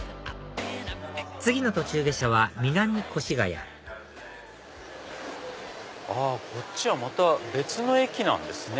次の途中下車は南越谷こっちはまた別の駅なんですね。